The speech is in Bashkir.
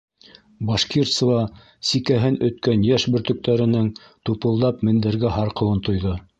- Башкирцева сикәһен өткән йәш бөртөктәренең тупылдап мендәргә һарҡыуын тойҙо.